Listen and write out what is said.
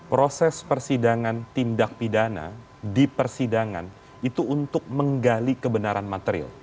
proses persidangan tindak pidana di persidangan itu untuk menggali kebenaran material